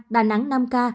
đà nẵng năm ca